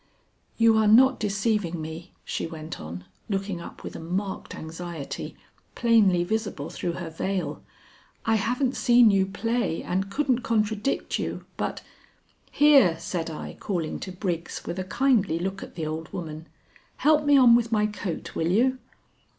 "You are not deceiving me," she went on, looking up with a marked anxiety plainly visible through her veil. "I haven't seen you play and couldn't contradict you, but " "Here!" said I calling to Briggs with a kindly look at the old woman, "help me on with my coat, will you?"